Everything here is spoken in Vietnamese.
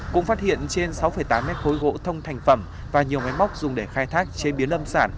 cũng phát hiện trên sáu tám mét khối gỗ thông thành phẩm và nhiều máy móc dùng để khai thác chế biến lâm sản